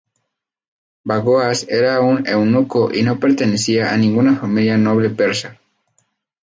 Bagoas era un eunuco y no pertenecía a ninguna familia noble persa.